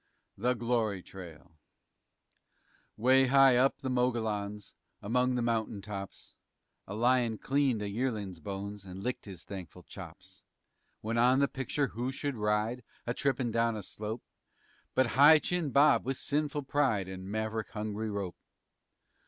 THE GLORY TRAIL 'Way high up the Mogollons, Among the mountain tops, A lion cleaned a yearlin's bones And licked his thankful chops, When on the picture who should ride, A trippin' down a slope, But High Chin Bob, with sinful pride And mav'rick hungry rope.